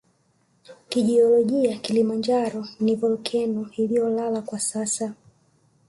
Kijiolojia Kilimanjaro ni volkeno iliyolala kwa sasa